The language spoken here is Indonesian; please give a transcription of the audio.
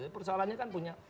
persoalannya kan punya